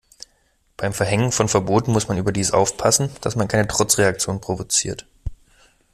Beim Verhängen von Verboten muss man überdies aufpassen, dass man keine Trotzreaktionen provoziert.